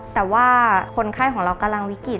แต่ว่าคนไข้ของเรากำลังวิกฤต